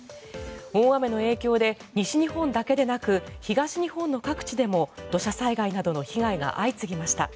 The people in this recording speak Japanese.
大雨の影響で西日本だけでなく東日本の各地でも土砂災害などの被害が相次ぎました。